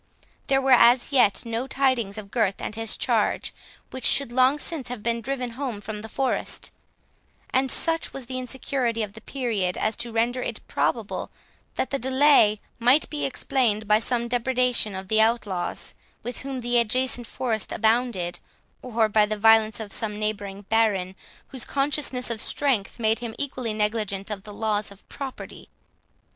There were as yet no tidings of Gurth and his charge, which should long since have been driven home from the forest and such was the insecurity of the period, as to render it probable that the delay might be explained by some depreciation of the outlaws, with whom the adjacent forest abounded, or by the violence of some neighbouring baron, whose consciousness of strength made him equally negligent of the laws of property.